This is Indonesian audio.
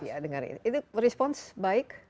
iya dengar itu respons baik